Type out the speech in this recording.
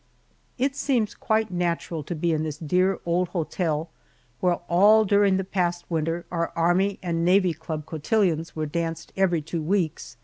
It seems quite natural to be in this dear old hotel, where all during the past winter our "Army and Navy Club" cotillons were danced every two weeks.